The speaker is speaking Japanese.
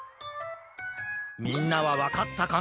みんなはわかったかな？